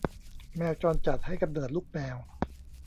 แมวจรจัดให้กำเนิดลูกแมว